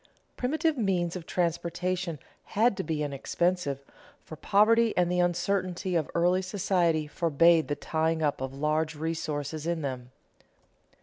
Primitive means of transportation had to be inexpensive, for poverty and the uncertainty of early society forbade the tying up of large resources in them.